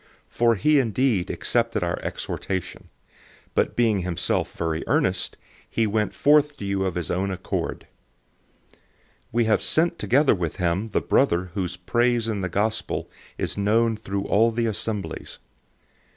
008:017 For he indeed accepted our exhortation, but being himself very earnest, he went out to you of his own accord. 008:018 We have sent together with him the brother whose praise in the Good News is known through all the assemblies.